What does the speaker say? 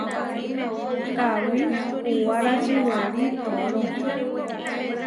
Kawí kuwárači werí tooró.